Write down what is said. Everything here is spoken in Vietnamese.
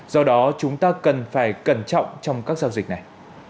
do đó chúng ta cần phải cẩn trọng trong các giao dịch này